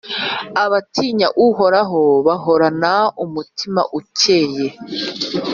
Abatinya Uhoraho bahorana umutima ukeye,